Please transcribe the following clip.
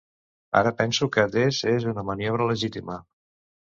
Ara penso que des és una maniobra legítima